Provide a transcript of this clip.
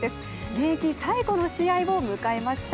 現役最後の試合を迎えました。